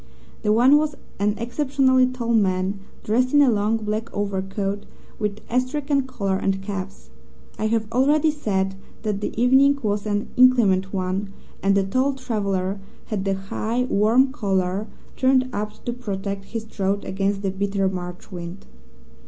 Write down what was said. The one was an exceptionally tall man, dressed in a long black overcoat with astrakhan collar and cuffs. I have already said that the evening was an inclement one, and the tall traveller had the high, warm collar turned up to protect his throat against the bitter March wind.